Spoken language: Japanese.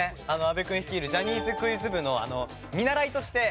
阿部君率いるジャニーズクイズ部の見習いとして。